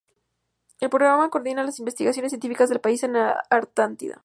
El programa coordina las investigaciones científicas del país en la Antártida.